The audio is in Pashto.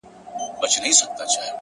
ژوند سرینده نه ده. چي بیا یې وږغوم.